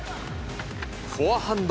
フォアハンド。